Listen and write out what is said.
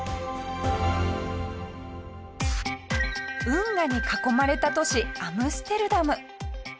運河に囲まれた都市アムステルダム。